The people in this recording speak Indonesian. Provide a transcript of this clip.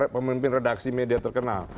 pemimpin redaksi media terkenal